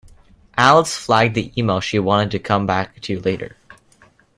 Alice flagged the emails she wanted to come back to later